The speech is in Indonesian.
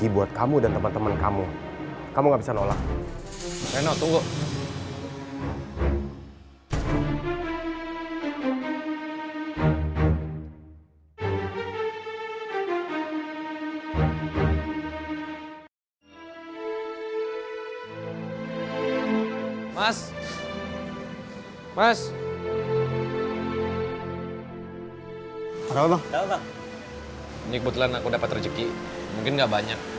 yaudah aku berangkat kerja dulu ya